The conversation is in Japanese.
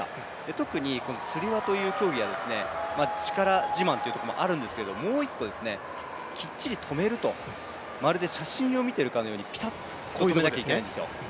特につり輪という競技は力自慢というところもあるんですけどもう一個、きっちり止めると、まるで写真を見ているかのようにピタッと止めなければいけないんですよ。